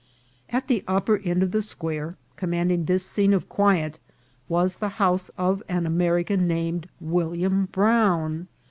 At the upper end of 'the square, commanding this scene of quiet, was the house of an American named William Brown